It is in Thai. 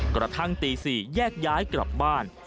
กระทั่งตี๔แยกย้ายกลับบ้าน